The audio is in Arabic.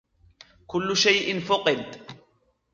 كل شيء فُقِد.